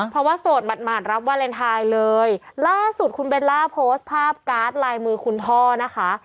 เพราะว่าโสดหมาดรับวาเลนไทยเลยล่าสุดคุณเบลล่าโพสต์ภาพการ์ดลายมือคุณพ่อนะคะ